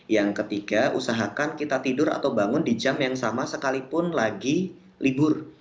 yang ketiga usahakan kita tidur atau bangun di jam yang sama sekalipun lagi libur